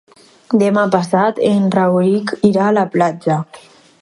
Demà passat en Rauric irà a la platja.